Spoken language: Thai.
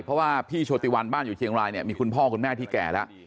เพราะว่าพี่โชติวันบ้านอยู่เชียงรายเนี่ยมีคุณพ่อคุณแม่ที่แก่แล้ว